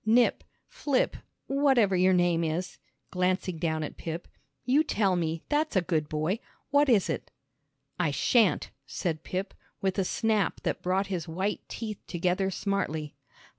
"Nip Flip whatever your name is," glancing down at Pip, "you tell me, that's a good boy. What is it?" "I shan't," said Pip, with a snap that brought his white teeth together smartly.